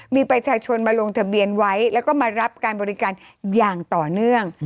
มีประชาชนมาลงทะเบียนไว้แล้วก็มารับการบริการอย่างต่อเนื่อง